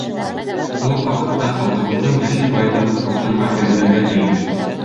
Шул уҡ ваҡытта халҡыбыҙҙың йәшел байлығы ҡуртымға бирелергә тейеш.